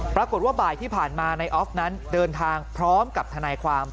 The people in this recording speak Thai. ปรากฏว่าบ่ายที่ผ่านมานายออฟนั้นเดินทางพร้อมกับทนายความ